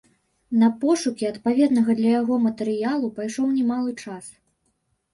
На пошукі адпаведнага для яго матэрыялу пайшоў немалы час.